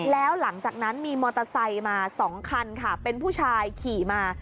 แล้วหลังจากนั้นมีมอเตอร์ไซค์มา๒คันค่ะเป็นผู้ชายขี่มา